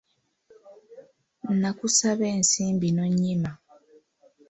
Nakusaba ensimbi n’onyima